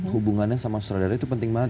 hubungannya sama sutradara itu penting banget